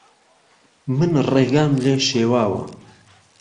من ڕێگام لێ شێواوه